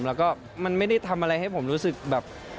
แล้วก็มันไม่ได้ทำอะไรให้ผมรู้สึกแบบ